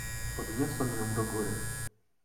"Podniosłem ją do góry."